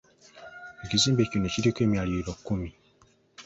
Ekizimbe kino kiriko emyaliriro kkumi.